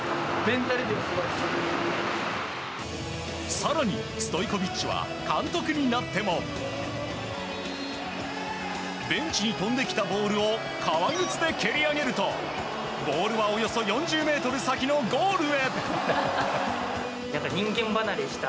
更にストイコビッチは監督になってもベンチに飛んできたボールを革靴で蹴り上げるとボールはおよそ４０ｍ先のゴールへ。